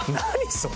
それ。